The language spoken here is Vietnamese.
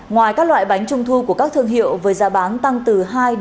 ngoài các loại bánh trung thu của các thương hiệu với giá bán tăng từ hai ba mươi